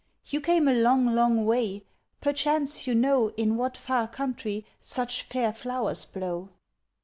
You came a long, long way perchance you know In what far country such fair flowers blow?"